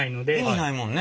意味ないもんね。